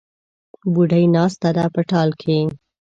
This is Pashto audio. بوډۍ ناسته ده په ټال کې